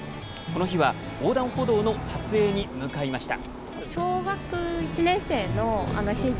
この日は横断歩道の撮影に向かいました。